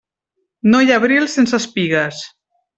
No hi ha abril sense espigues.